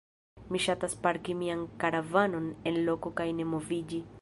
Mi ŝatas parki mian karavanon en loko kaj ne moviĝi.